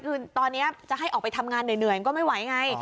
คือตอนนี้จะให้ออกไปทำงานเหนื่อยก็ไม่ไหวไง